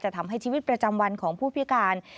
ทำให้ชีวิตประจำวันของผู้พิการ